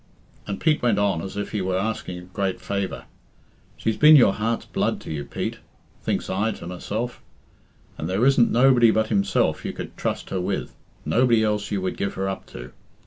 And Pete went on as if he were asking a great favour. "'She's been your heart's blood to you, Pete,' thinks I to my . self, 'and there isn't nobody but himself you could trust her with nobody else you would give her up to.